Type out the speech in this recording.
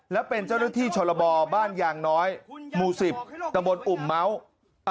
และเป็นเจ้าหน้าที่ชรบบ้านยางน้อยหมู่สิบตะบนอุ่มเม้า